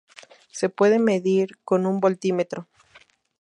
Se puede medir con un voltímetro.